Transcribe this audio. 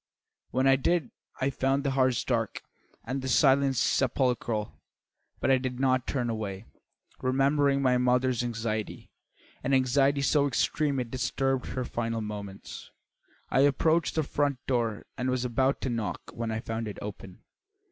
When I did I found the house dark and the silence sepulchral. But I did not turn away. Remembering my mother's anxiety, an anxiety so extreme it disturbed her final moments, I approached the front door and was about to knock when I found it open.